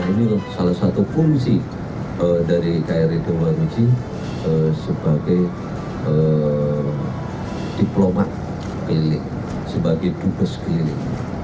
ini salah satu fungsi dari kri dewa ruji sebagai diplomat keliling sebagai dubes keliling